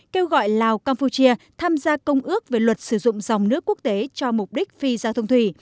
kêu gọi lào campuchia tham gia công ước về luật sử dụng dòng nước quốc tế cho mục đích phi giao thông thủy